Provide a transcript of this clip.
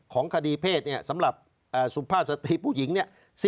ของคดีเพศเนี่ยสำหรับสุภาษณ์สติผู้หญิงเนี่ย